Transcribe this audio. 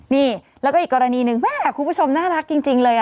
นี่แล้วก็อีกกรณีหนึ่งแม่คุณผู้ชมน่ารักจริงเลย